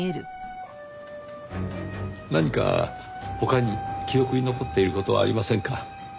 何か他に記憶に残っている事はありませんか？